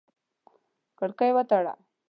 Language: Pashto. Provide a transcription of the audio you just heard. کړکۍ وتړه!